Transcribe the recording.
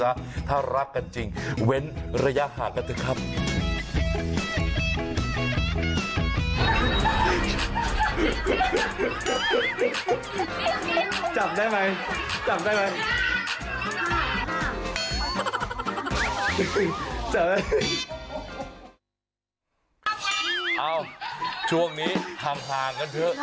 ช่วงนี้ห่างกันเถอะ